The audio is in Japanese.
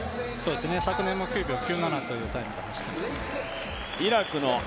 昨年も９秒９７というタイムで走ってます。